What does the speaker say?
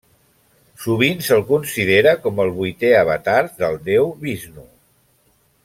Sovint se'l considera com el vuitè avatar del déu Vixnu.